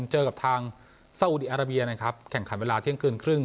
เจอกับทางซาอุดีอาราเบียนะครับแข่งขันเวลาเที่ยงคืนครึ่ง